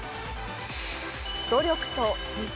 努力と自信。